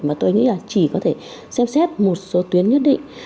mà tôi nghĩ là chỉ có thể xem xét một số tuyến nhất định